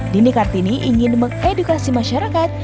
dini kartini ingin mengedukasi masyarakat